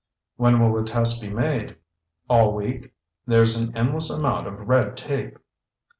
"When will the tests be made?" "All week. There's an endless amount of red tape."